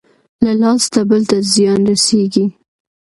له لاسه بل ته زيان رسېږي.